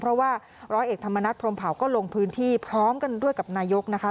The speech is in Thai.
เพราะว่าร้อยเอกธรรมนัฐพรมเผาก็ลงพื้นที่พร้อมกันด้วยกับนายกนะคะ